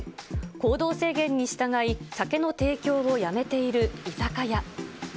行動制限に従い、酒の提供をやめている居酒屋。